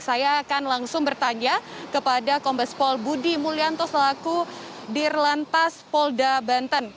saya akan langsung bertanya kepada kombes pol budi mulyanto selaku dirlantas polda banten